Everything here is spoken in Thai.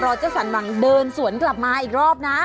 เจ้าสันหวังเดินสวนกลับมาอีกรอบนะ